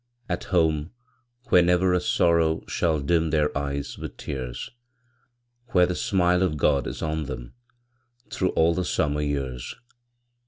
At home, where never a sorrow Shall dim their eyes with tears! Where the smile of God is on them Through all the summer years!